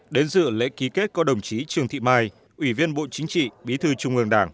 đến dự lễ ký kết có đồng chí trương thị mai ủy viên bộ chính trị bí thư trung ương đảng